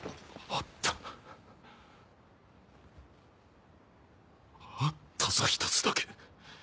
あったぞ１つだけ。